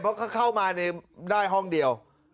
เพราะเขาเข้ามาได้ห้องเดียว